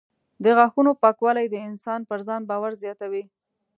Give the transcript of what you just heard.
د غاښونو پاکوالی د انسان پر ځان باور زیاتوي.